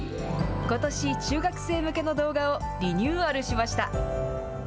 ことし、中学生向けの動画をリニューアルしました。